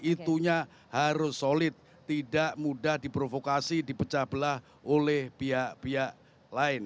itunya harus solid tidak mudah diprovokasi dipecah belah oleh pihak pihak lain